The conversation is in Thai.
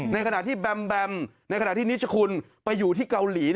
ในขณะที่แบมแบมในขณะที่นิชคุณไปอยู่ที่เกาหลี